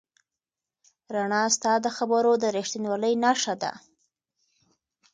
رڼا ستا د خبرو د رښتینولۍ نښه ده.